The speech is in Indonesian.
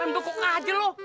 men bukuk aja lo